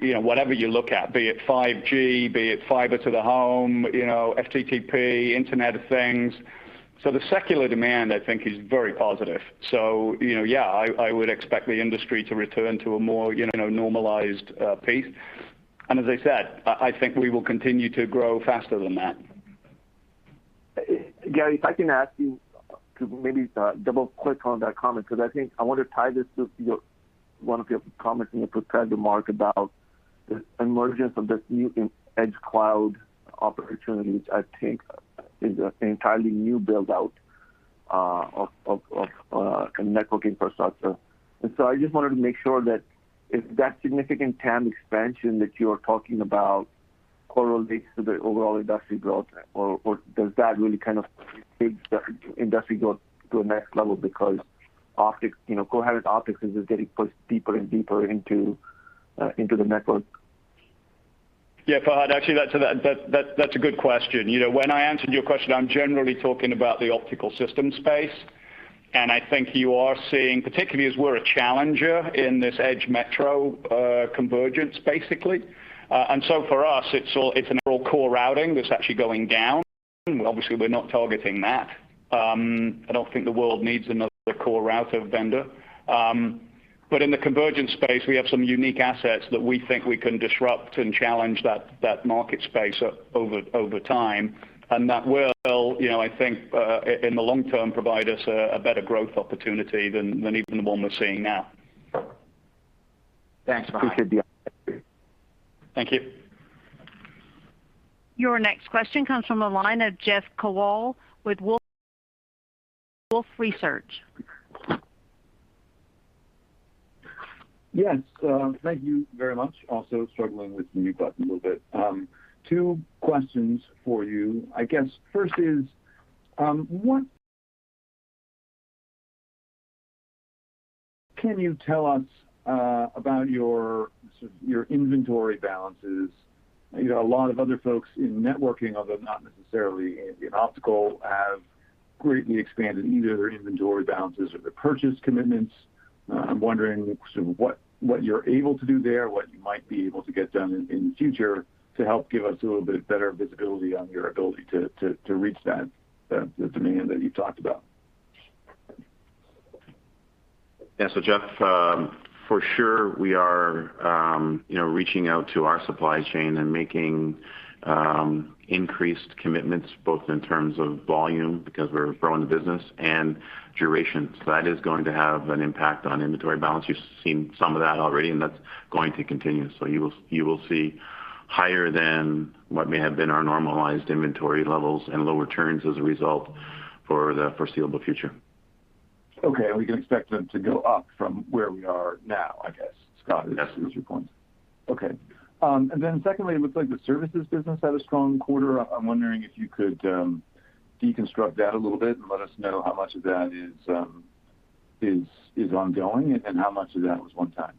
Whatever you look at, be it 5G, be it fiber to the home, FTTP, Internet of Things. The secular demand, I think, is very positive. Yeah, I would expect the industry to return to a more normalized pace. As I said, I think we will continue to grow faster than that. Gary, if I can ask you to maybe double-click on that comment, because I think I want to tie this to one of your comments when you presented to market about the emergence of this new edge cloud opportunity, which I think is an entirely new build-out of network infrastructure. I just wanted to make sure that if that significant TAM expansion that you are talking about. Correlates to the overall industry growth? Or does that really take the industry growth to the next level because coherent optics is getting pushed deeper and deeper into the network? Yeah, Fahad, actually that's a good question. When I answered your question, I'm generally talking about the optical system space, and I think you are seeing, particularly as we're a challenger in this edge metro convergence, basically. For us, it's an all-core routing that's actually going down. Obviously, we're not targeting that. I don't think the world needs another core router vendor. In the convergence space, we have some unique assets that we think we can disrupt and challenge that market space over time. That will, I think, in the long term, provide us a better growth opportunity than even the one we're seeing now. Thanks, Fahad. Thank you. Your next question comes from the line of Jeff Kvaal with Wolfe Research. Yes. Thank you very much. Also struggling with the mute button a little bit. Two questions for you. I guess first is, what can you tell us about your inventory balances? A lot of other folks in networking, although not necessarily in optical, have greatly expanded either their inventory balances or their purchase commitments. I'm wondering sort of what you're able to do there, what you might be able to get done in the future to help give us a little bit better visibility on your ability to reach the demand that you talked about. Yeah. Jeff, for sure, we are reaching out to our supply chain and making increased commitments, both in terms of volume, because we're growing the business, and duration. That is going to have an impact on inventory balance. You've seen some of that already, and that's going to continue. You will see higher than what may have been our normalized inventory levels and lower turns as a result for the foreseeable future. Okay, we can expect them to go up from where we are now, I guess, Scott- Yes is your point. Okay. Secondly, it looks like the services business had a strong quarter. I'm wondering if you could deconstruct that a little bit and let us know how much of that is ongoing and how much of that was one time.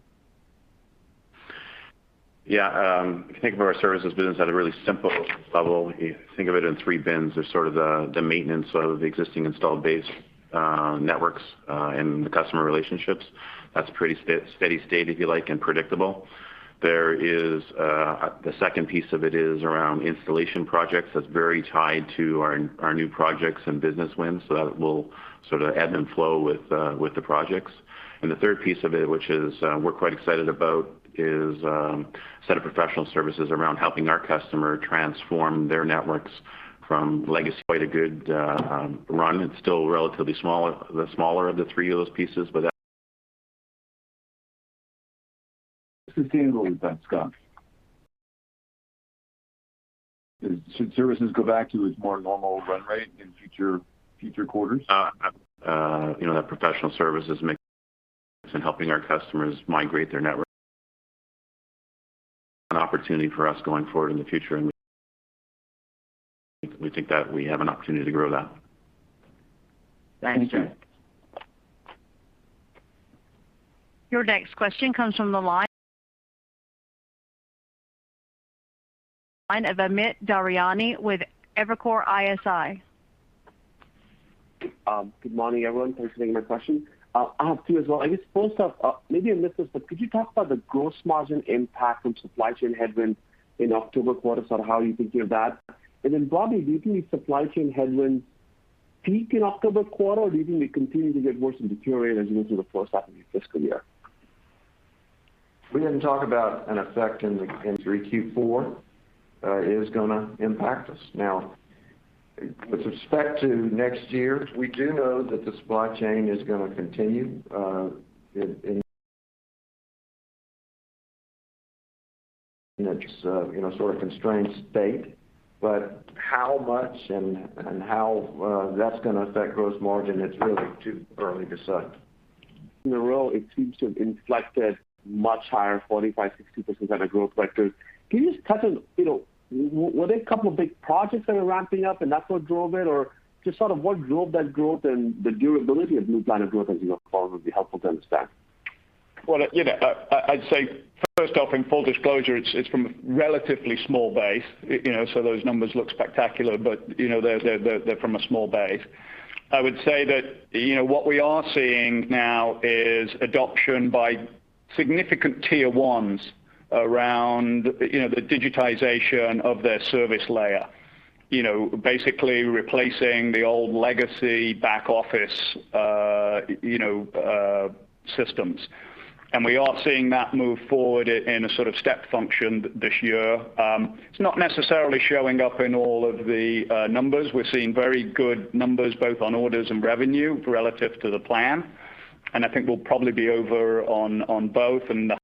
Yeah. If you think of our services business at a really simple level, you think of it in 3 bins. There's sort of the maintenance of the existing installed base networks, and the customer relationships. That's pretty steady state, if you like, and predictable. The second piece of it is around installation projects. That will sort of ebb and flow with the projects. The third piece of it, which we're quite excited about, is a set of professional services around helping our customer transform their networks from legacy. Quite a good run. It's still relatively the smaller of the 3 of those pieces. How sustainable is that, Scott? Should services go back to its more normal run rate in future quarters? That professional services in helping our customers migrate their network. An opportunity for us going forward in the future, and we think that we have an opportunity to grow that. Thanks, Jeff. Your next question comes from the line of Amit Daryanani with Evercore ISI. Good morning, everyone. Thanks for taking my question. I have two as well. I guess first off, maybe I missed this, but could you talk about the gross margin impact from supply chain headwinds in October quarter, sort of how you're thinking of that? Broadly, do you think these supply chain headwinds peak in October quarter, or do you think they continue to get worse and deteriorate as we go through the first half of the fiscal year? We didn't talk about an effect in Q4. It is going to impact us. Now, with respect to next year, we do know that the supply chain is going to continue in its sort of constrained state. How much and how that's going to affect gross margin, it's really too early to say. In the row, it seems to have inflected much higher, 45%-60% kind of growth vectors. Can you just touch on, were there a couple of big projects that are ramping up and that's what drove it? Just sort of what drove that growth and the durability of new line of growth as we go forward would be helpful to understand. Well, I'd say first off, in full disclosure, it's from a relatively small base, so those numbers look spectacular, but they're from a small base. I would say that what we are seeing now is adoption by significant tier-ones around the digitization of their service layer. Basically replacing the old legacy back office systems. We are seeing that move forward in a sort of step function this year. It's not necessarily showing up in all of the numbers. We're seeing very good numbers both on orders and revenue relative to the plan. I think we'll probably be over on both and the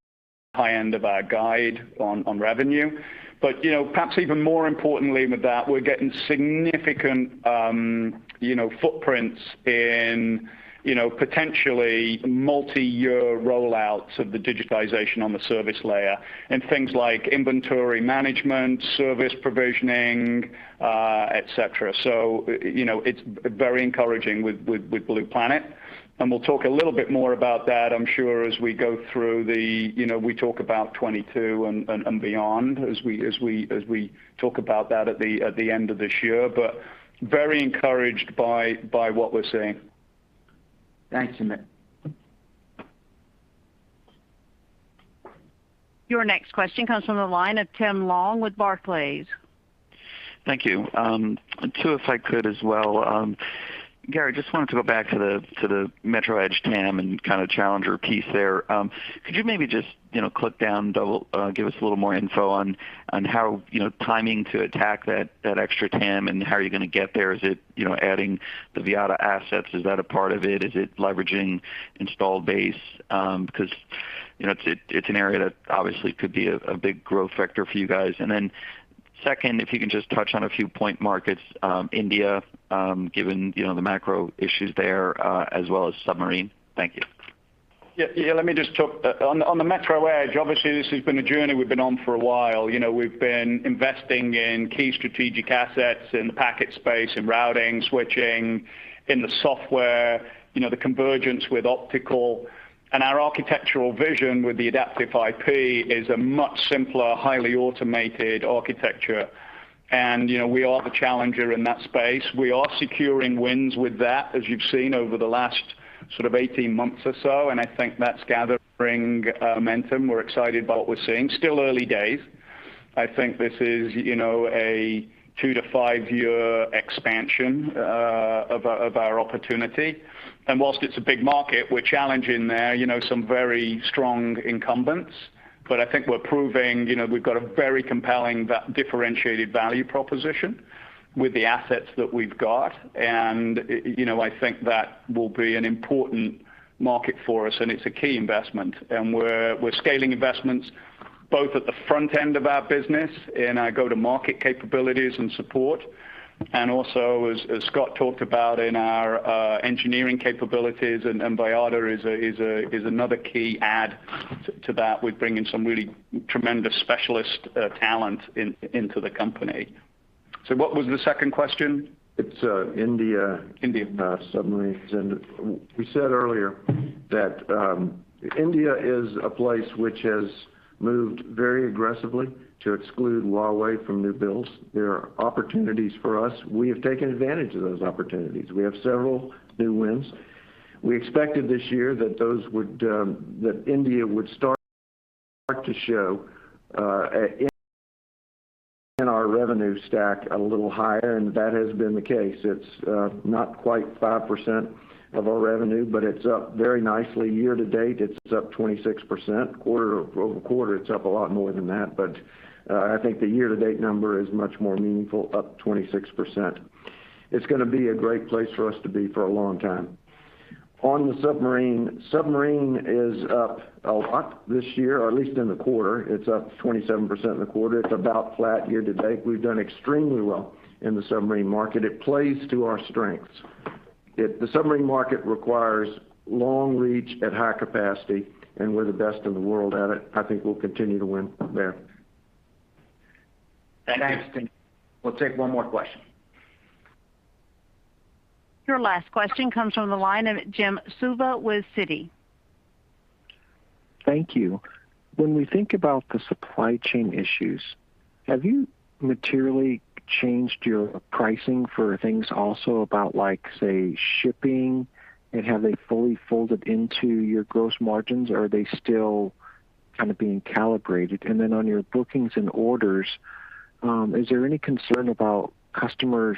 high end of our guide on revenue. Perhaps even more importantly with that, we're getting significant footprints in potentially multi-year rollouts of the digitization on the service layer in things like inventory management, service provisioning, et cetera. It's very encouraging with Blue Planet. We'll talk a little bit more about that, I'm sure, as we talk about 2022 and beyond, as we talk about that at the end of this year. Very encouraged by what we're seeing. Thanks, Amit. Your next question comes from the line of Tim Long with Barclays. Thank you. Two, if I could, as well. Gary, just wanted to go back to the metro edge TAM and kind of challenger piece there. Could you maybe just click down, give us a little more info on how timing to attack that extra TAM, and how are you going to get there? Is it adding the Vyatta assets? Is that a part of it? Is it leveraging installed base? It's an area that obviously could be a big growth vector for you guys. Second, if you can just touch on a few point markets, India, given the macro issues there, as well as submarine. Thank you. Yeah. Let me just talk. On the metro edge, obviously this has been a journey we've been on for a while. We've been investing in key strategic assets in the packet space, in routing, switching, in the software, the convergence with optical. Our architectural vision with the Adaptive IP is a much simpler, highly automated architecture. We are the challenger in that space. We are securing wins with that, as you've seen over the last 18 months or so, and I think that's gathering momentum. We're excited by what we're seeing. Still early days. I think this is a two to five-year expansion of our opportunity. Whilst it's a big market, we're challenging there some very strong incumbents. I think we're proving we've got a very compelling differentiated value proposition with the assets that we've got. I think that will be an important market for us, and it's a key investment. We're scaling investments both at the front end of our business in our go-to-market capabilities and support, and also, as Scott talked about, in our engineering capabilities. Vyatta is another key add to that. We bring in some really tremendous specialist talent into the company. What was the second question? It's India. India. Submarines. We said earlier that India is a place which has moved very aggressively to exclude Huawei from new builds. There are opportunities for us. We have taken advantage of those opportunities. We have several new wins. We expected this year that India would start to show in our revenue stack a little higher, that has been the case. It's not quite 5% of our revenue, it's up very nicely. Year-to-date, it's up 26%. Quarter-over-quarter, it's up a lot more than that. I think the year-to-date number is much more meaningful, up 26%. It's going to be a great place for us to be for a long time. On the submarine is up a lot this year, or at least in the quarter. It's up 27% in the quarter. It's about flat year-to-date. We've done extremely well in the submarine market. It plays to our strengths. The submarine market requires long reach at high capacity, and we're the best in the world at it. I think we'll continue to win there. Thanks. We'll take one more question. Your last question comes from the line of Jim Suva with Citi. Thank you. When we think about the supply chain issues, have you materially changed your pricing for things also about, say, shipping? Have they fully folded into your gross margins, or are they still kind of being calibrated? On your bookings and orders, is there any concern about customers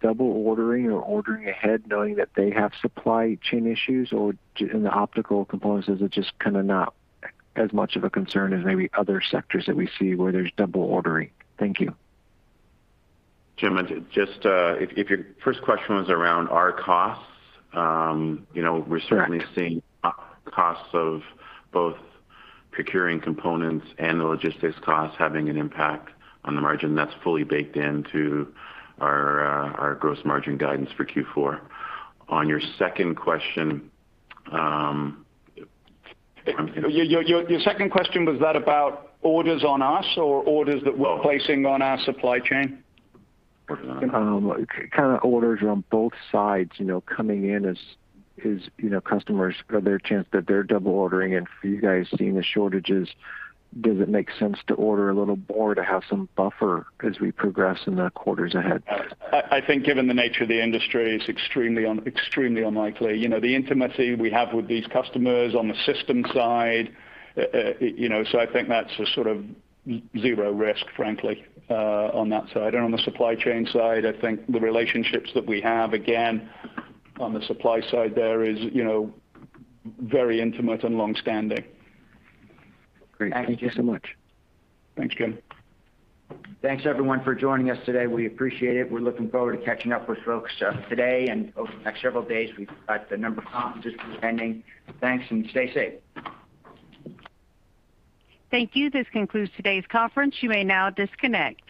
double ordering or ordering ahead knowing that they have supply chain issues, or in the optical components, is it just not as much of a concern as maybe other sectors that we see where there's double ordering? Thank you. Jim, if your first question was around our costs. Correct We're certainly seeing costs of both procuring components and the logistics costs having an impact on the margin. That's fully baked into our gross margin guidance for Q4. On your second question. Your second question, was that about orders on us or orders that we're placing on our supply chain? Orders on both sides coming in as customers, are there a chance that they're double ordering? For you guys seeing the shortages, does it make sense to order a little more to have some buffer as we progress in the quarters ahead? I think given the nature of the industry, it's extremely unlikely. The intimacy we have with these customers on the system side, so I think that's a sort of zero risk, frankly, on that side. On the supply chain side, I think the relationships that we have, again, on the supply side there is very intimate and longstanding. Great. Thank you so much. Thanks, Jim. Thanks, everyone, for joining us today. We appreciate it. We're looking forward to catching up with folks today and over the next several days. We've got a number of conferences we're attending. Thanks, and stay safe. Thank you. This concludes today's conference. You may now disconnect.